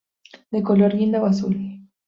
De color guinda o azul.